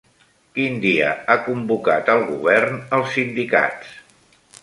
Quin dia ha convocat el govern als sindicats?